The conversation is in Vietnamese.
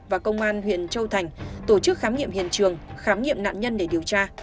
và công an huyện châu thành tổ chức khám nghiệm hiện trường khám nghiệm nạn nhân để điều tra